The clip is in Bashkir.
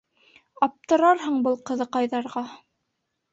Аптырарһың был ҡыҙыҡайҙарға!